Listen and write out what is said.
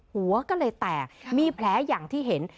หัวก็เลยแตกมีแผลอย่างที่เห็น